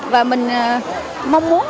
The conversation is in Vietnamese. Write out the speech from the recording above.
và mình mong muốn